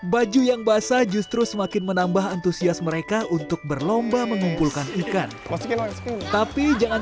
baju yang basah justru semakin menambah antusias mereka untuk berlomba mengumpulkan ikan tapi jangan